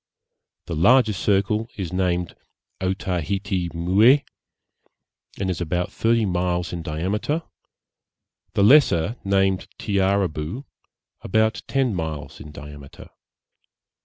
The larger circle is named Otaheite Mooé, and is about thirty miles in diameter; the lesser, named Tiaraboo, about ten miles in diameter.